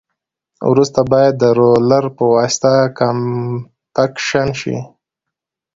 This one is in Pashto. وروسته باید د رولر په واسطه کمپکشن شي